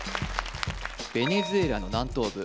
ベネズエラの南東部